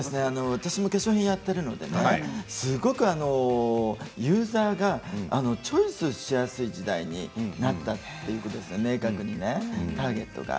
私も化粧品をやっているのですごくユーザーがチョイスしやすい時代になったということですね、明確にねターゲットが。